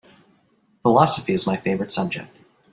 Philosophy is my favorite subject.